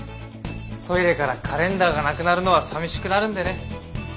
トイレからカレンダーがなくなるのはさみしくなるんでね。